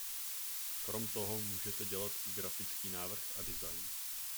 Krom toho můžete dělat i grafický návrh a design.